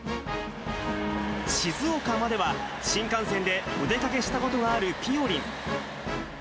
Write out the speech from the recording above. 静岡までは新幹線でお出かけしたことがあるぴよりん。